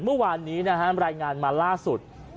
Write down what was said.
เมื่อวานนี้รายงานมาล่าสุด